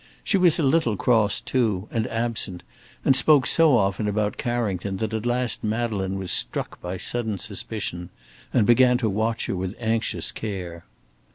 She was a little cross, too, and absent, and spoke so often about Carrington that at last Madeleine was struck by sudden suspicion, and began to watch her with anxious care.